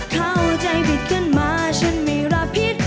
เข้าใจผิดขึ้นมาฉันไม่รับผิด